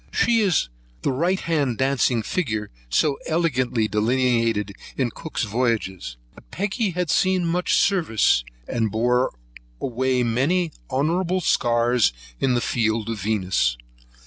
She is the right hand dancing figure so elegantly delineated in Cook's Voyages. But Peggy had seen much service, and bore away many honourable scars in the fields of Venus.